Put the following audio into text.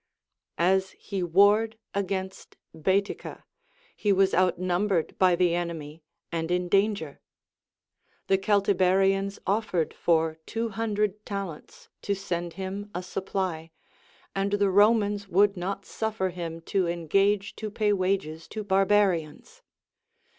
As he warred against Baetica, he was outnumbered by the enemy, and in danger. The Celtibe rians offered for two hundred talents to send him a supply, and the Romans would not suffer him to engage to pay wa ges to barbarians.